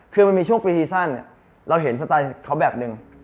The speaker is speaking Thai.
คือมันมีช่วงปีซีซั่นเราเห็นสไตล์เขาแบบนึง